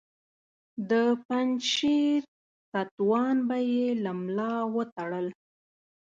د پنجشیر ستوان به یې له ملا وتړل.